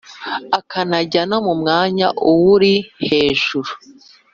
akanajya no mu mwanya uwuri hejuru